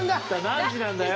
何時なんだよ。